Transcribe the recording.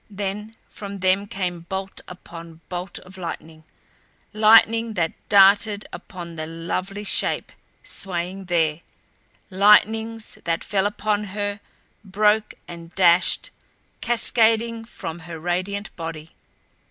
Then from them came bolt upon bolt of lightning lightning that darted upon the lovely shape swaying there; lightnings that fell upon her, broke and dashed, cascading, from her radiant body.